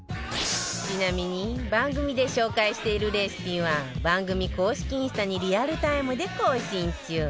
ちなみに番組で紹介しているレシピは番組公式インスタにリアルタイムで更新中